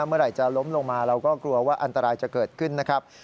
เมื่อไหร่จะล้มลงมาเราก็กลัวว่าอันตรายจะเกิดขึ้นนะครับ